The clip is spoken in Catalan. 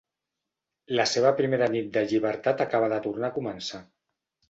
La seva primera nit de llibertat acaba de tornar a començar.